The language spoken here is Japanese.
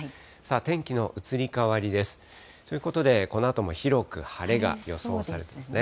天気の移り変わりです。ということで、このあとも広く晴れが予想されていますね。